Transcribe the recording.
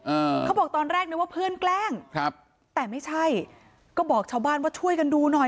เขาบอกตอนแรกนึกว่าเพื่อนแกล้งครับแต่ไม่ใช่ก็บอกชาวบ้านว่าช่วยกันดูหน่อย